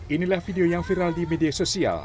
inilah video yang viral di media sosial